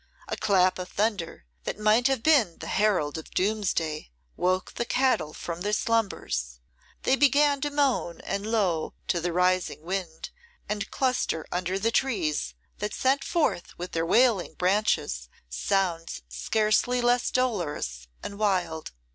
A clap of thunder, that might have been the herald of Doomsday, woke the cattle from their slumbers. They began to moan and low to the rising wind, and cluster under the trees, that sent forth with their wailing branches sounds scarcely less dolorous and wild.